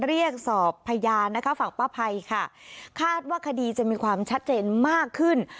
เรียกสอบพยานนะคะฝั่งป้าภัยค่ะคาดว่าคดีจะมีความชัดเจนมากขึ้น